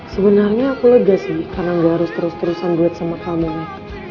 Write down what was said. sebenarnya aku lega sih karena gak harus terus terusan duit sama kamu